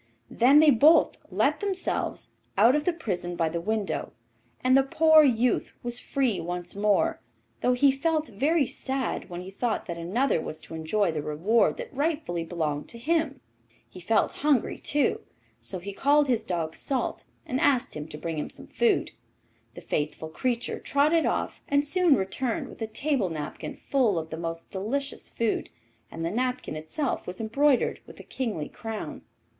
Then they both let themselves out of the prison by the window, and the poor youth was free once more, though he felt very sad when he thought that another was to enjoy the reward that rightfully belonged to him. He felt hungry too, so he called his dog 'Salt,' and asked him to bring home some food. The faithful creature trotted off, and soon returned with a table napkin full of the most delicious food, and the napkin itself was embroidered with a kingly crown.